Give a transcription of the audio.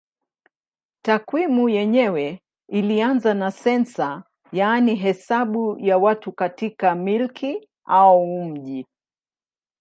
Takwimu yenyewe ilianza na sensa yaani hesabu ya watu katika milki au mji.